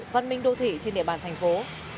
văn minh đô thị trên địa bàn thành phố